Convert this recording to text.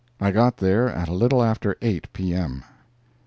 I got there at a little after eight P.M.